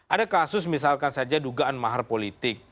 ada kasus misalkan saja dugaan mahar politik